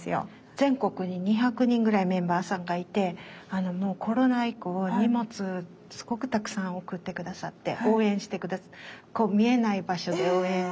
全国に２００人ぐらいメンバーさんがいてコロナ以降荷物すごくたくさん送って下さって応援して下さっ見えない場所で応援を。